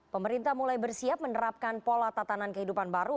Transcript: pemerintah mulai bersiap menerapkan pola tatanan kehidupan baru